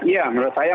ya menurut saya